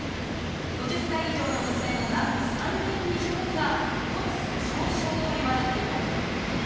５０歳以上の女性のなんと３人に１人が「骨粗しょう症」といわれています